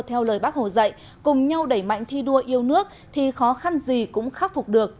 theo lời bác hồ dạy cùng nhau đẩy mạnh thi đua yêu nước thì khó khăn gì cũng khắc phục được